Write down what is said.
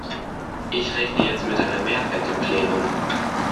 Ich rechne jetzt mit einer Mehrheit im Plenum.